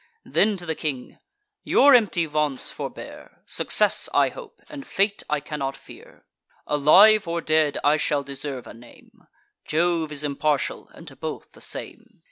Then to the king: "Your empty vaunts forbear; Success I hope, and fate I cannot fear; Alive or dead, I shall deserve a name; Jove is impartial, and to both the same."